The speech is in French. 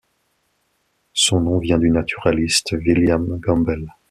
Son nom vient du naturaliste William Gambel.